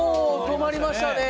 止まりましたね。